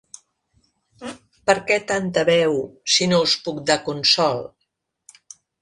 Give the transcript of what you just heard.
Per què tanta veu, si no us puc dar consol?